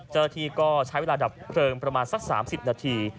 เจ้าหน้าที่ก็ใช้เวลาดับเพลิงประมาณสัก๓๐นาที